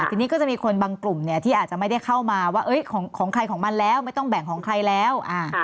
ทีนี้ก็จะมีคนบางกลุ่มเนี่ยที่อาจจะไม่ได้เข้ามาว่าของใครของมันแล้วไม่ต้องแบ่งของใครแล้ว